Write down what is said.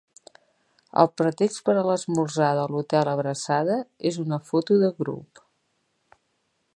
El pretext per a l'esmorzar de l'Hotel Abraçada és una foto de grup.